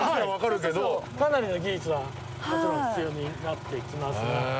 かなりの技術はもちろん必要になってきます。